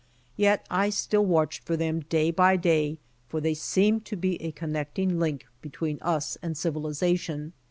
Yet I still watched for them day by day for they seemed to be a connecting link between us and civilization.